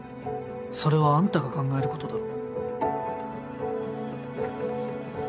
それはあんたが考えることだろ。